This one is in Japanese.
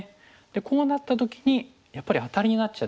でこうなった時にやっぱりアタリになっちゃうんですね。